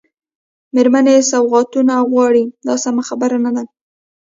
مېرمنې سوغاتونه غواړي دا سمه خبره نه ده.